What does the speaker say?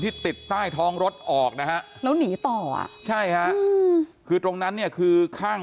ติดใต้ท้องรถออกนะฮะแล้วหนีต่ออ่ะใช่ฮะคือตรงนั้นเนี่ยคือข้าง